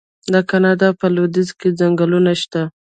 د کاناډا په لویدیځ کې ځنګلونه شته.